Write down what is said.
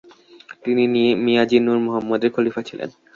তিনি মিয়াজি নূর মুহাম্মদের খলিফা ছিলেন।